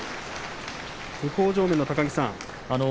向正面の高木さん。